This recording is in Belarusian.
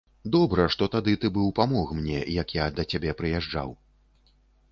Добра, што тады ты быў памог мне, як я да цябе прыязджаў.